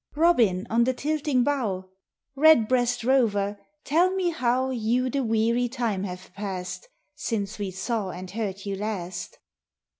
Robin on the tilting bough, Red breast rover, tell me how You the weary time have passed Since we saw and heard you last.